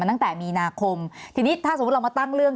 ตั้งแต่มีนาคมทีนี้ถ้าสมมุติเรามาตั้งเรื่อง